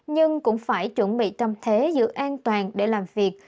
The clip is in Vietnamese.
nhưng cũng phải chuẩn bị tâm thế giữ an toàn để làm việc